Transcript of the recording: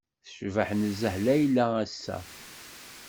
Tecbeḥ nezzeh Leïla ass-a!